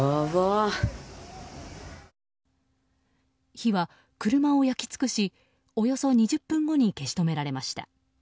火は車を焼き尽くしおよそ２０分後に消し止められました。